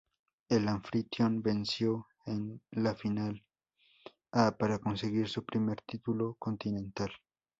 El anfitrión venció en la final a para conseguir su primer título continental.